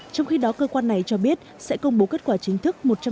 trong khi đó cơ quan này cho biết sẽ công bố kết quả chính thức